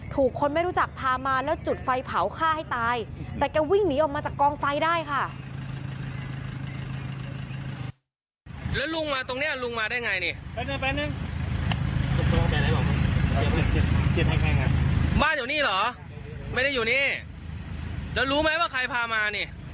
คนไม่รู้จักพามาแล้วจุดไฟเผาฆ่าให้ตายแต่แกวิ่งหนีออกมาจากกองไฟได้ค่ะ